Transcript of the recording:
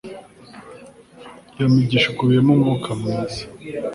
Iyo migisha ikubiyemo umwuka mwiza